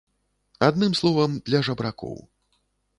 Адным словам, для жабракоў.